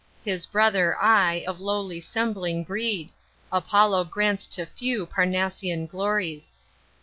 His brother I, of lowly sembling breed: Apollo grants to few Parnassian glories.